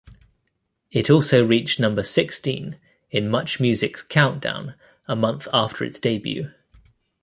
It also reached number sixteen in MuchMusic's "Countdown" a month after its debut.